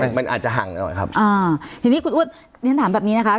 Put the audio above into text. ไม่มันอาจจะหังต่อไปครับอ่าทีนี้คุณอุฉินถามแบบนี้นะคะ